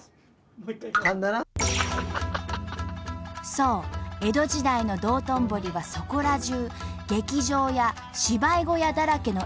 そう江戸時代の道頓堀はそこら中劇場や芝居小屋だらけのエンタメの町。